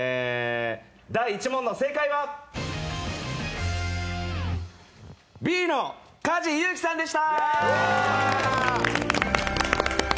第１問の正解はＢの梶裕貴さんでした。